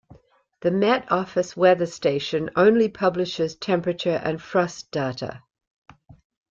The Met Office weather station only publishes temperature and frost data.